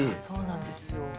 そうなんですよ。